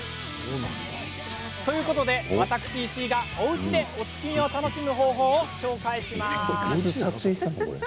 ということで、私、石井がおうちでお月見を楽しむ方法を紹介します。